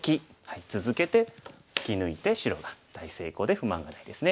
続けて突き抜いて白が大成功で不満がないですね。